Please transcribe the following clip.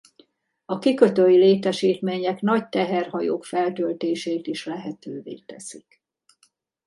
A kikötői létesítmények nagy teherhajók feltöltését is lehetővé teszik.